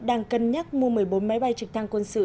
đang cân nhắc mua một mươi bốn máy bay trực thăng quân sự